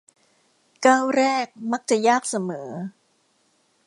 ก้าวแรกมักจะยากเสมอ